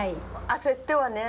焦ってはね